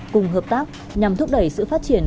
cùng hợp tác nhằm thúc đẩy sự phát triển